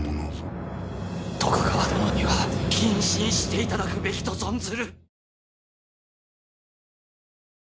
徳川殿には謹慎していただくべきと存ずる！